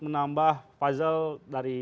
menambah puzzle dari